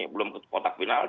belum ke kotak penalti